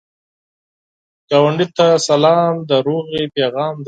ګاونډي ته سلام، د سولې پیغام دی